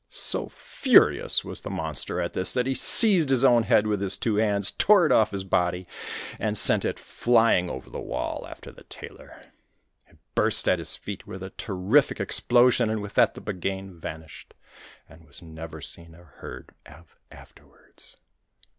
So furious was the monster at this that he seized his own head with his two hands, tore it off his body and sent it flying over the wall after the Tailor. It burst at his feet with a terrific explosion, and with that the Buggane vanished, and was never seen or heard of afterwards.